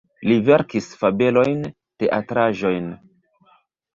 Li verkis fabelojn, teatraĵojn.